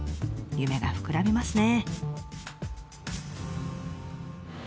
夢が膨らみますね。